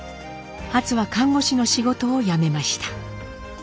ハツは看護師の仕事を辞めました。